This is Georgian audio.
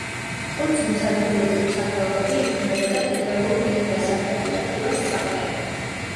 ყურძნის ადგილობრივ სახეობები იქმნებოდა თითოეულ დიდ დასახლებულ ადგილას ცალკე.